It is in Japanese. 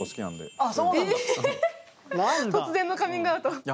突然のカミングアウト。